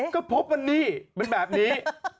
ก็พบว่านี่เป็นแบบนี้